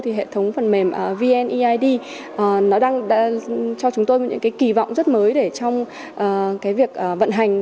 thì hệ thống phần mềm vneid nó đang cho chúng tôi những cái kỳ vọng rất mới để trong cái việc vận hành